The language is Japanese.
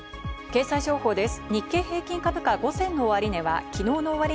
経済情報です。